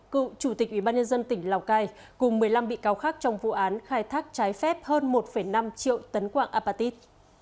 cựu chủ tịch ủy ban nhân dân tỉnh lào cai cùng một mươi năm bị cáo khác trong vụ án khai thác trái phép hơn một năm triệu tấn quạng apatit